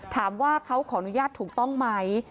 ถามว่าเขาขออนุญาตถูกต้องไหม